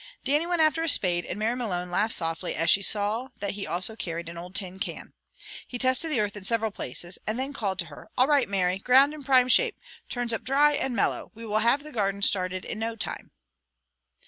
Dannie went after a spade, and Mary Malone laughed softly as she saw that he also carried an old tin can. He tested the earth in several places, and then called to her: "All right, Mary! Ground in prime shape. Turns up dry and mellow. We will have the garden started in no time."